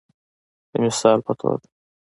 د مثال په توګه